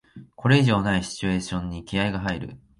これ以上ないシチュエーションに気合いが入る